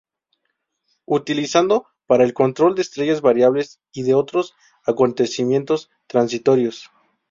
Utilizado para el control de estrellas variables y de otros acontecimientos transitorios.